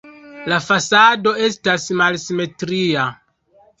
La fasado estas malsimetria.